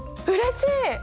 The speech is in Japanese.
うれしい！